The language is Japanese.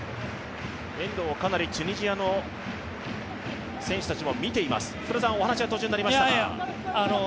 遠藤、かなりチュニジアの選手たちも見ています。